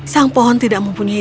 sang pohon tidak mempunyai